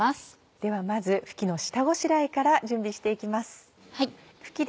ではまずふきの下ごしらえから準備して行きます。